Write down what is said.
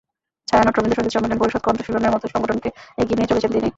ছায়ানট, রবীন্দ্রসংগীত সম্মিলন পরিষদ, কণ্ঠশীলনের মতো সংগঠনকে এগিয়ে নিয়ে চলেছেন তিনি।